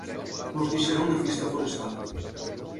ens deixarà a una pista forestal